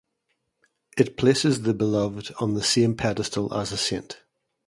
It places the beloved on the same pedestal as a saint.